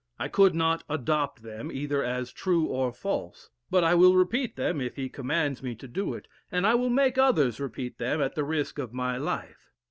I could not adopt them either as true or false. But I will repeat them, if he commands me to do it; and I will make others repeat them at the risk of my life.